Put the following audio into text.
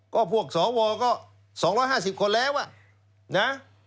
ก็พวกสวก็๒๕๐คนแล้วนะ